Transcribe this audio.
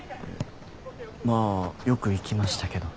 まあよく行きましたけど。